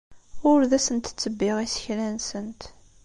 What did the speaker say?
Ur da asent-ttebbiɣ isekla-nsent.